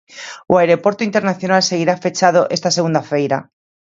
O aeroporto internacional seguirá fechado esta segunda feira.